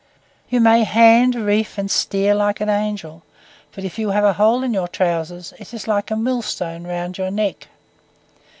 You may hand, reef, and steer like an angel, but if you have a hole in your trousers, it is like a millstone round your neck.